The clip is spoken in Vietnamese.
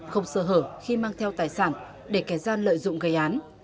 không sơ hở khi mang theo tài sản để kẻ gian lợi dụng gây án